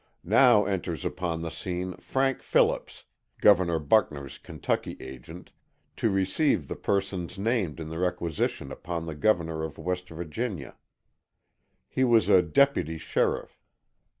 Now enters upon the scene Frank Phillips, Governor Buckner's Kentucky agent, to receive the persons named in the requisition upon the Governor of West Virginia. He was a deputy sheriff.